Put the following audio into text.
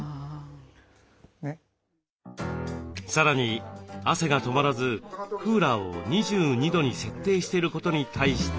さらに汗が止まらずクーラーを２２度に設定していることに対しては？